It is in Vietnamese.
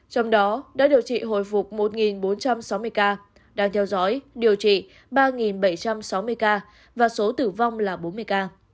trong đó đã điều trị hồi phục một bốn trăm sáu mươi ca đang theo dõi điều trị ba bảy trăm sáu mươi ca và số tử vong là bốn mươi ca